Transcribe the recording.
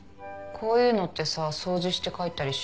こういうのってさ掃除して帰ったりしないんだね。